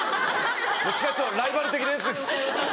どっちかっていうとライバル的なやつです。